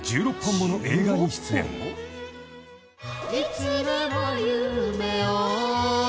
「いつでも夢を」